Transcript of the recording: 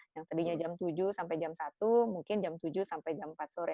yang tadinya jam tujuh sampai jam satu mungkin jam tujuh sampai jam empat sore